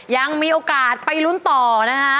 ยังมีโอกาสไปลุ้นต่อนะฮะ